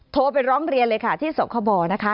โทรไปร้องเรียนเลยค่ะที่สคบนะคะ